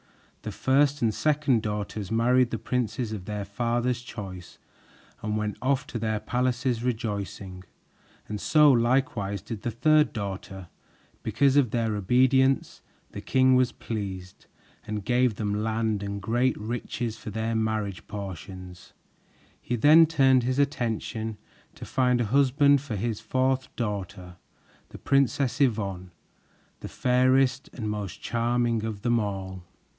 The first and second daughters married the princes of their father's choice and went off to their palaces rejoicing, and so likewise did the third daughter. Because of their obedience, the king was pleased and gave them land and great riches for their marriage portions. He then turned his attention to find a husband for his fourth daughter, the Princess Yvonne, the fairest and most charming of them all.